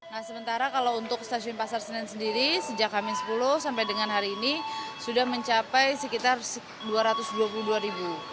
nah sementara kalau untuk stasiun pasar senen sendiri sejak hamin sepuluh sampai dengan hari ini sudah mencapai sekitar dua ratus dua puluh dua ribu